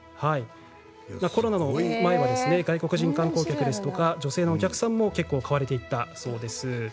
コロナの前は外国人観光客ですとか女性のお客さんも結構、買われていたそうです。